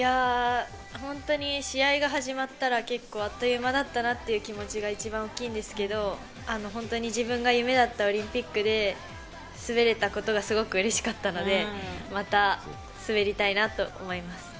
本当に試合が始まったら、結構あっという間だったなって気持ちが一番大きいんですけど、自分の夢だったオリンピックで滑れたことがすごくうれしかったので、また滑りたいなと思います。